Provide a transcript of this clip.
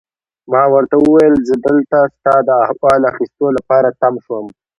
ما ورته وویل: زه دلته ستا د احوال اخیستو لپاره تم شوم.